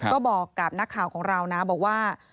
ก็บอกกับนักข่าวของเรานะบอกว่า